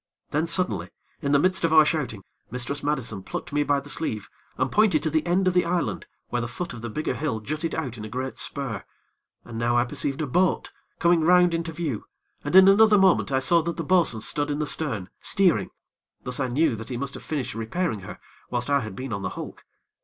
Then, suddenly, in the midst of our shouting, Mistress Madison plucked me by the sleeve and pointed to the end of the island where the foot of the bigger hill jutted out in a great spur, and now I perceived a boat, coming round into view, and in another moment I saw that the bo'sun stood in the stern, steering; thus I knew that he must have finished repairing her whilst I had been on the hulk.